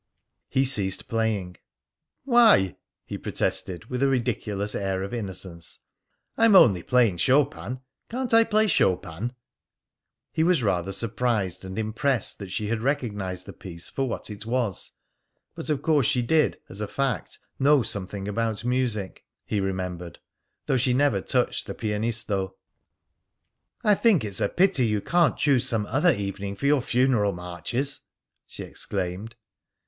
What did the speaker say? He ceased playing. "Why?" he protested, with a ridiculous air of innocence. "I'm only playing Chopin. Can't I play Chopin?" He was rather surprised and impressed that she had recognised the piece for what it was. But of course she did, as a fact, know something about music, he remembered, though she never touched the "Pianisto." "I think it's a pity you can't choose some other evening for your funeral marches!" she exclaimed.